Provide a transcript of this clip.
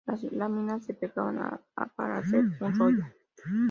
Las láminas se pegaban para hacer un rollo.